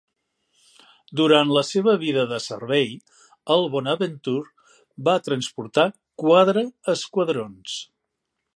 Durant la seva vida de servei, el "Bonaventure" va transportar quadre esquadrons.